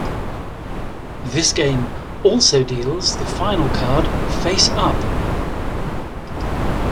This game also deals the final card face up.